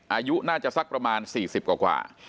อายุน่าจะสักประมาณ๔๐กว่า